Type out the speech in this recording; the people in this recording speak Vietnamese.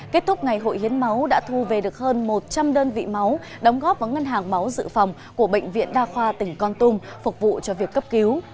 kết thúc ngày hội hiến máu đã thu về được hơn một trăm linh đơn vị máu đóng góp vào ngân hàng máu dự phòng của bệnh viện đa khoa tỉnh con tum phục vụ cho việc cấp cứu